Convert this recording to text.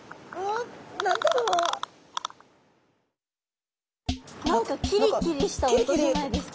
何かキリキリした音じゃないですか？